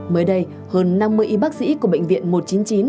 mới đây hơn năm mươi y bác sĩ của bệnh viện một trăm chín mươi chín